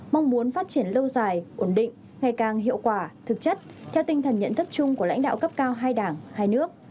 mong muốn phát triển lâu dài ổn định ngày càng hiệu quả thực chất theo tinh thần nhận thức chung của lãnh đạo cấp cao hai đảng hai nước